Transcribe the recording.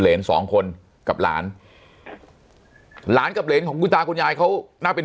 เหรนสองคนกับหลานหลานกับเหรนของคุณตาคุณยายเขาน่าเป็น